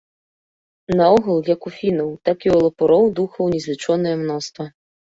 Наогул як у фінаў, так і ў лапароў духаў незлічонае мноства.